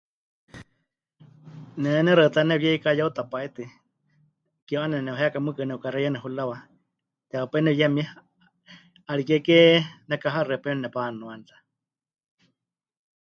Ne nexaɨtá nepɨyeiká yeuta pai tɨ, ke mɨ'ane nemɨheka mɨɨkɨ nepɨkaxeiyani hurawa, teewa pai nepɨyemie, 'ariké ke nekahaxɨapieme nepanuani ta.